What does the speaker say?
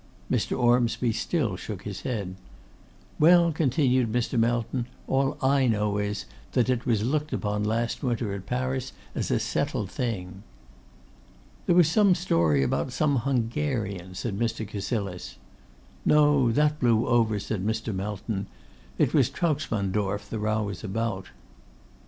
Mr. Ormsby still shook his head. 'Well,' continued Mr. Melton, 'all I know is, that it was looked upon last winter at Paris as a settled thing.' 'There was some story about some Hungarian,' said Mr. Cassilis. 'No, that blew over,' said Mr. Melton; 'it was Trautsmansdorff the row was about.